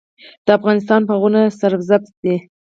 د افغانستان باغونه سرسبز دي